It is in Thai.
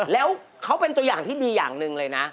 แล้วเขาเป็นตัวอย่างที่ดีอย่างหนึ่งเลยนะ